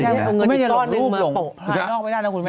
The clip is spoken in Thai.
เว้นนี้เค้าลองรูปลงพรอยไปนอกไม่ได้นะคุณแม่